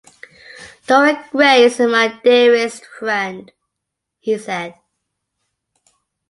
"Dorian Gray is my dearest friend," he said.